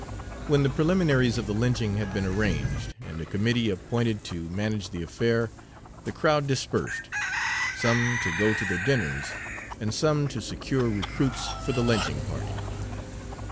When the preliminaries of the lynching had been arranged, and a committee appointed to manage the affair, the crowd dispersed, some to go to their dinners, and some to secure recruits for the lynching party.